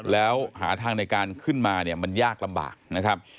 แล้วหาทางในการขึ้นมาเนี่ยมันยากลำบากนะครับ